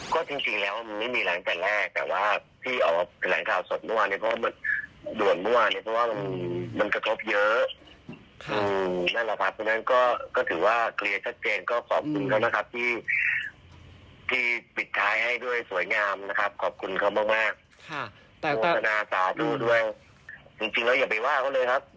ขอบคุณเค้ามากโมทนาสาธุด้วยจริงแล้วอย่าไปว่าเค้าเลยครับ